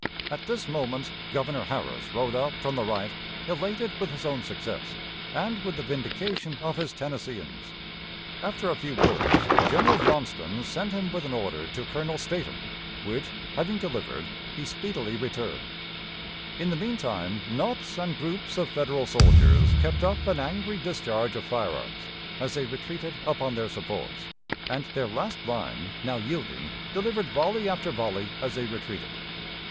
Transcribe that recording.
At this moment Governor Harris rode up from the right, elated with his own success, and with the vindication of his Tennesseeans. After a few words. General Johnston sent him with an order to Colonel Statham, which, having delivered, he speedily returned. In the mean time knots and groups of Federal soldiers kept up an angry discharge of firearms as they retreated upon their supports, and their last line, now yielding, delivered volley after volley as they retreated.